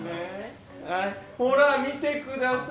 ほら見てください